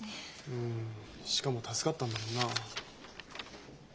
うんしかも助かったんだもんな。